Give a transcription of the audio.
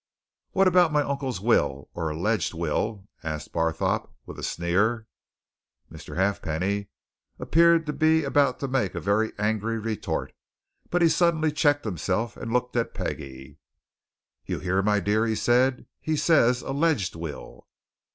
"What about my uncle's will or alleged will?" asked Barthorpe with a sneer. Mr. Halfpenny appeared to be about to make a very angry retort, but he suddenly checked himself and looked at Peggie. "You hear, my dear?" he said. "He says alleged will!"